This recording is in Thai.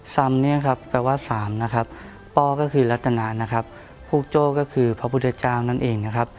ซัมแปลว่าสามป้อก็คือรัตนาภูกโจ้ก็คือพระพุทธเจ้านั่นเอง